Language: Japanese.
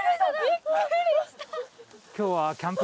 びっくりした！